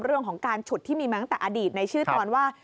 เรื่องของการฉุดที่มีมาตั้งแต่อดีตในชื่อตอนว่า